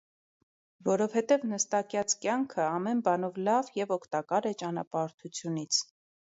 - Որովհետև նստակյաց կյանքը ամեն բանով լավ և օգտակար է ճանապարհորդությունից: